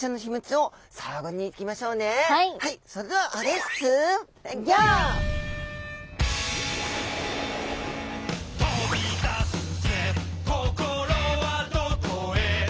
それでは「飛び出すぜ心はどこへ」